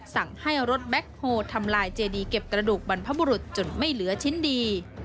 สั่งให้รถแบ็คโฮลทำลายเจดีเก็บกระดูกบรรพบุรุษจนไม่เหลือชิ้นดี